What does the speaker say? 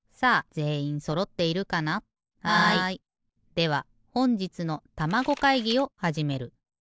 ではほんじつのたまご会議をはじめる。